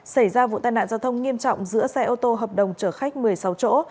xảy ra vụ tai nạn giao thông nghiêm trọng giữa xe ô tô hợp đồng chở khách một mươi sáu chỗ